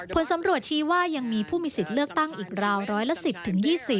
ผลสำรวจชี้ว่ายังมีผู้มีสิทธิ์เลือกตั้งอีกราวร้อยละ๑๐๒๐